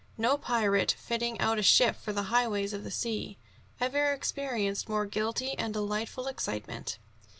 No pirate, fitting out a ship for the highways of the sea, ever experienced more guilty and delightful excitement.